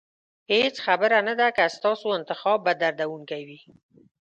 هېڅ خبره نه ده که ستاسو انتخاب به دردونکی وي.